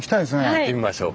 行ってみましょう。